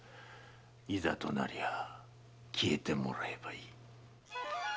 いざとなりゃあ消えてもらえばいい。